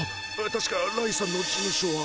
たしかライさんの事務所は。